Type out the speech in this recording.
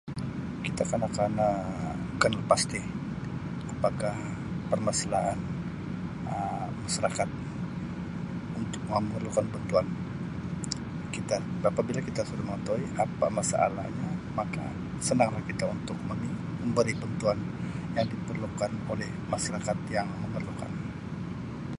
Kita kena-kena kenal pasti apakah permasalahan Um masyarakat untuk memerlukan bantuan kita. Apabila kita sudah mengetahui apa masalahnya maka senanglah kita untuk meng-memberi bantuan yang diperlukan oleh masyarakat yang memerlukan.